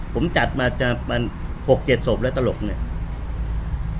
ผมจัดมา๖๗ศพแล้วตลกเนี่ย